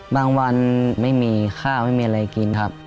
วันไม่มีข้าวไม่มีอะไรกินครับ